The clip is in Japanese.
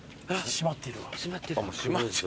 閉まってる。